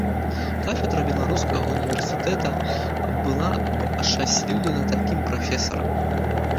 Кафедра беларускага ўніверсітэта была б ашчасліўлена такім прафесарам.